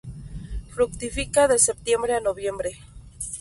Fructifica de septiembre a noviembre.